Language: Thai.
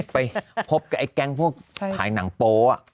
ไปพบกับไอ้แก๊งพวกขายหนังโป๊ะ